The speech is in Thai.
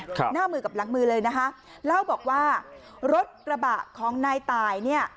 หน้ามือกับหลังมือเลยนะคะเล่าบอกว่ารถกระบะของนายตายเนี่ย